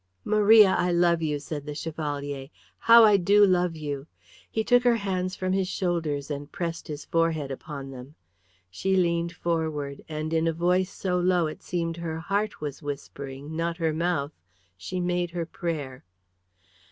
"Maria, I love you," said the Chevalier. "How I do love you!" He took her hands from his shoulders and pressed his forehead upon them. She leaned forward, and in a voice so low it seemed her heart was whispering, not her mouth, she made her prayer.